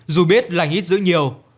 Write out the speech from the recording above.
dù biết lành ít giữ nhiều